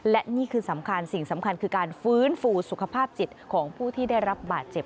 และนี่คือสำคัญสิ่งสำคัญคือการฟื้นฟูสุขภาพจิตของผู้ที่ได้รับบาดเจ็บ